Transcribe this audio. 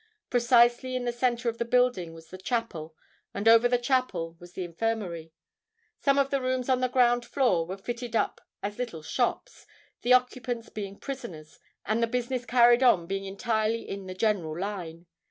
Precisely in the centre of the building was the chapel; and over the chapel was the infirmary. Most of the rooms on the ground floor were fitted up as little shops, the occupants being prisoners, and the business carried on being entirely in the "general line."